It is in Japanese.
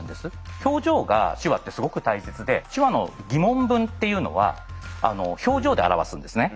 表情が手話ってすごく大切で手話の疑問文っていうのは表情で表すんですね。